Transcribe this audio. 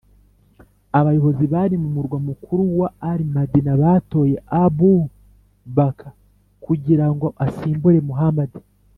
abayobozi bari mu murwa mukuru wa al-madīnah batoye abu-bakr ... kugira ngo asimbure muhamad